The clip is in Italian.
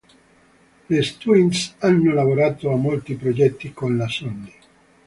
Les Twins hanno lavorato a molti progetti con la Sony.